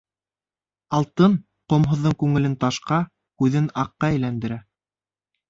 Алтын ҡомһоҙҙоң күңелен ташҡа, күҙен аҡҡа әйләндерә.